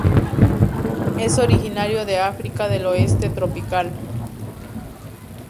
Es originario de África del oeste tropical.